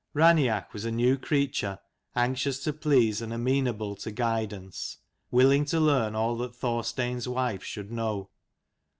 Raineach was a new THORSTEIN creature, anxious to please and GOES amenable to guidance; willing ABROAD, to learn all that Thorstein's wife should know.